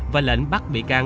và lệnh bắt bị can